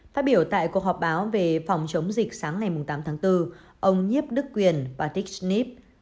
phát biểu tại cuộc họp báo về phòng chống dịch sáng ngày tám tháng bốn ông nhiếp đức quyền và thích nhiếp